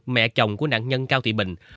mẹ chồng của nạn nhân cao thị bình